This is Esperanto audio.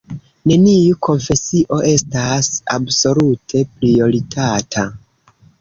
Neniu konfesio estas absolute prioritata.